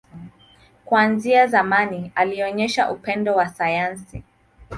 Kuanzia zamani, alionyesha upendo wa sayansi.